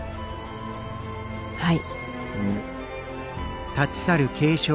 はい。